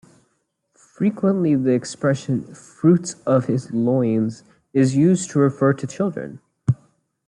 Frequently the expression "fruit of his loins" is used to refer to children.